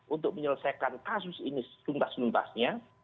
untuk menyelesaikan kasus ini suntas suntasnya